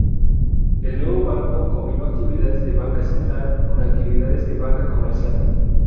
El nuevo banco combinó actividades de banca central con actividades de banca comercial.